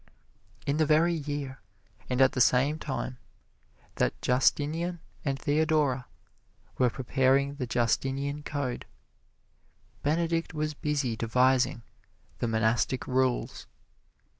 In the very year, and at the same time, that Justinian and Theodora were preparing the Justinian Code, Benedict was busy devising "The Monastic Rules."